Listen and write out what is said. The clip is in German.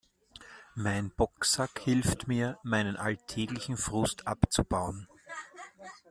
Mein Boxsack hilft mir, meinen alltäglichen Frust abzubauen.